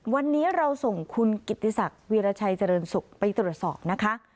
วันนี้เราส่งคุณกิติศักดิ์วีรชัยเจริญสุขไปตรวจสอบนะคะ